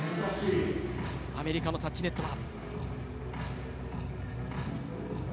アメリカのタッチネットは。